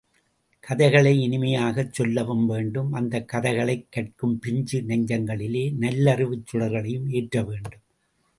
கதைகளை இனிமையாகச் சொல்லவும் வேண்டும் அந்தக் கதைகளைக் கற்கும் பிஞ்சு நெஞ்சங்களிலே நல்லறிவுச் சுடர்களையும் ஏற்றவேண்டும்.